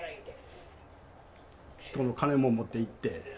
人の金も持っていって。